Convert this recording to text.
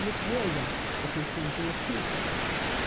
259 with William, the conclusion of peace.